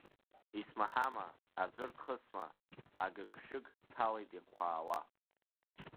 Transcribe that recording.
Исмаҳама, аӡәыр дхысма, агыгшәыг ҭалеит ихәаауа.